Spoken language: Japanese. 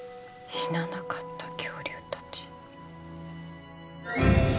死ななかった恐竜たち。